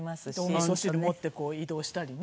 おみそ汁持って移動したりね